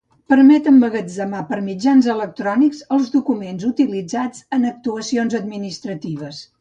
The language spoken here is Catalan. Permet emmagatzemar per mitjans electrònics els documents utilitzats en actuacions administratives.